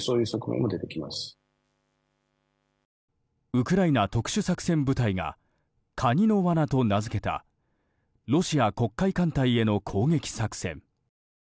ウクライナ特殊作戦部隊がカニの罠と名付けたロシア黒海艦隊への攻撃作戦。